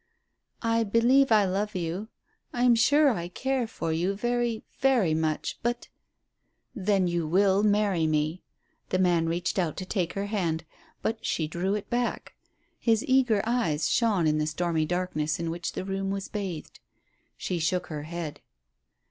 "I believe I love you; I am sure I care for you very, very much, but " "Then you will marry me." The man reached out to take her hand, but she drew it back. His eager eyes shone in the stormy darkness in which the room was bathed. She shook her head.